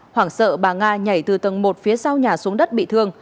hoảng sợ bà nga nhảy từ tầng một phía sau nhà xuống đất bị thương